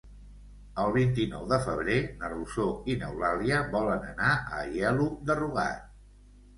El vint-i-nou de febrer na Rosó i n'Eulàlia volen anar a Aielo de Rugat.